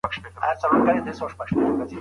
ګډونوالو ویلي، دا غږونه د حقیقت سره نږدې ښکاري.